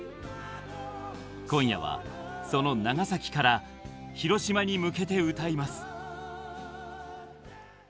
今夜はその長崎から広島に向けて歌います。